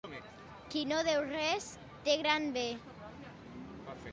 Qui no deu res té gran bé.